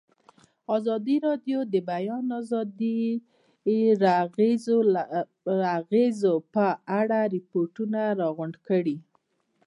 ازادي راډیو د د بیان آزادي د اغېزو په اړه ریپوټونه راغونډ کړي.